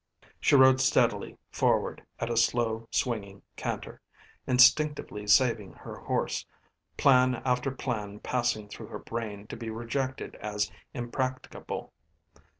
She rode steadily forward at a slow, swinging canter, instinctively saving her horse, plan after plan passing through her brain to be rejected as impracticable.